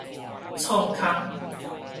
創空